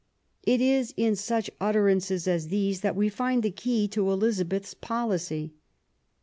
It is in such utterances as these that we find the key to Elizabeth's policy.